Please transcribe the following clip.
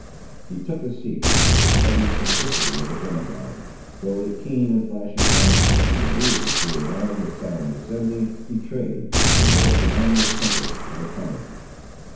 He took his seat, with the studied simplicity of a demagogue; though the keen and flashing glance, that he immediately threw around the silent assembly, betrayed the more predominant temper of a tyrant.